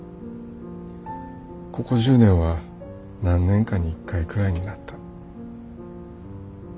ここ１０年は何年かに１回くらいになった。